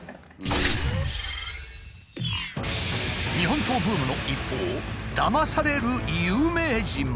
日本刀ブームの一方だまされる有名人も。